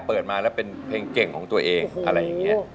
เปิดมาแล้วเป็นเพลงเก่งของตัวเองอะไรอย่างนี้